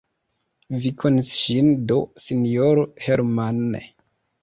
Vi konis ŝin do, sinjoro Hermann!